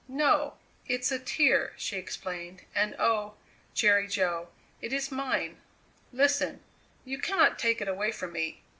"No it's a tear," she explained; "and, oh! Jerry Jo, it is mine listen! you cannot take it away from me."